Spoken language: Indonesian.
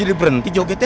udah berhenti joget ya